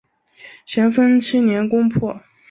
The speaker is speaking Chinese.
咸丰七年攻破。